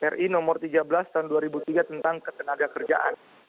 ri nomor tiga belas tahun dua ribu tiga tentang ketenaga kerjaan